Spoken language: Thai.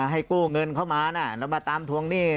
ให้กู้เงินเข้ามานะแล้วมาตามทวงหนี้